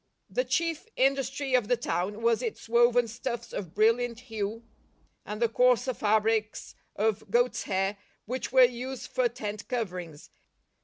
The chief industry of the town was its woven stuffs of brilliant hue, and the coarser fabrics of goat's hair which were 68 LIFE OF ST. PAUL j used for tent coverings.